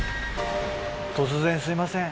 突然すいません。